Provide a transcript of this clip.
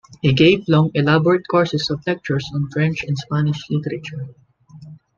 He gave long, elaborate courses of lectures on French and Spanish literature.